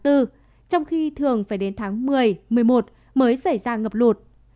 trong khi thường phải đến tháng một mươi một mươi một mới xảy ra ngập lụt